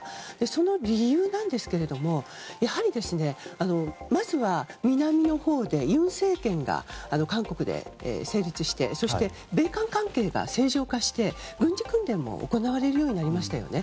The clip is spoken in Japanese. その理由なんですけれどもやはり、まずは南のほうで尹政権が韓国で成立して米韓関係が正常化して軍事訓練も行われるようになりましたよね。